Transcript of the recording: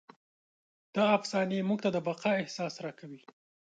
دا افسانې موږ ته د بقا احساس راکوي.